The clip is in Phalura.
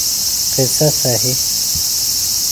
قصہ صہی